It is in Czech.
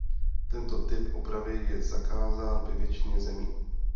Tento typ opravy je zakázán ve většině zemí.